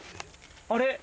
あれ？